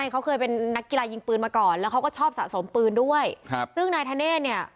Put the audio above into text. เขาเคยเป็นนักกีฬายิงปืนมาก่อนแล้วเขาก็ชอบสะสมปืนด้วยครับซึ่งนายธเนธเนี่ย